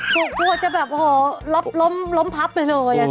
กลัวจะแบบโอ้โหล้มพับไปเลย